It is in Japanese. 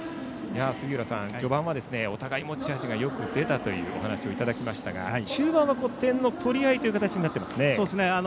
杉浦さん、序盤はお互い持ち味がよく出たというお話をいただきましたが中盤は点の取り合いですね。